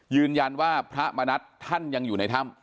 ยืนยันว่าพระมณัฐท่านยังอยู่ในถ้ำ